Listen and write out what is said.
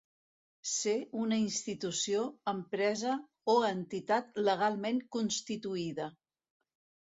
Ser una institució, empresa o entitat legalment constituïda.